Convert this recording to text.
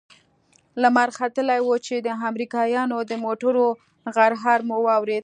لمر ختلى و چې د امريکايانو د موټرو غرهار مو واورېد.